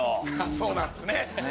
そうなんすね。